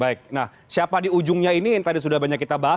baik nah siapa di ujungnya ini yang tadi sudah banyak kita bahas